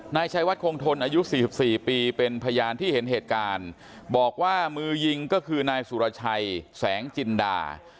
นายชัยวัดคงทนอายุ๔๔ปีเป็นพยานที่เห็นเหตุการณ์บอกว่ามือยิงก็คือนายสุรชัยแสงจินดา